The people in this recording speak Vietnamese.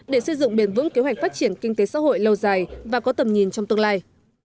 để xây dựng bền vững kế hoạch phát triển kinh tế xã hội lâu dài và có tầm nhìn trong tương lai